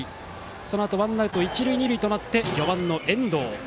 そのあとワンアウト一塁二塁で４番の遠藤。